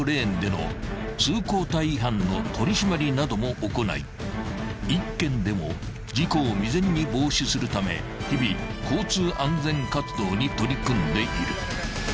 ［なども行い１件でも事故を未然に防止するため日々交通安全活動に取り組んでいる］